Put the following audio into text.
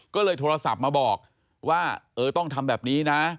ก็เลยโทรศัพท์มาบอกว่าเออต้องทำแบบนี้นะ